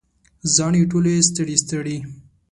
زاڼې ټولې ستړي، ستړي